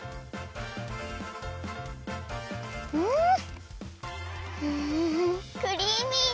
ん！んクリーミー！